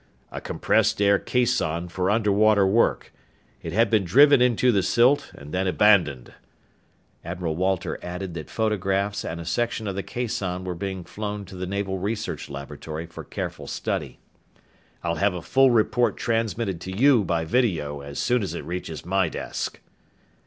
"A compressed air caisson for underwater work. It had been driven into the silt and then abandoned." Admiral Walter added that photographs and a section of the caisson were being flown to the Naval Research Laboratory for careful study. "I'll have a full report transmitted to you by video as soon as it reaches my desk."